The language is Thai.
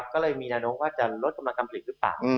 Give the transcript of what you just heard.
ก็เลยมีแนวโน้มว่าจะลดกำลังการผลิตหรือเปล่า